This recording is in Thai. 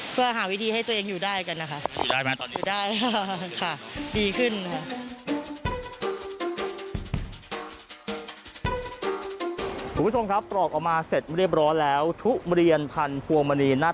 เราก็เลยลองแก้ไขปรับตัวดูว่า